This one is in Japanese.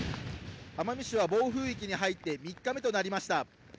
奄美市は暴風域に入って３日目となりました。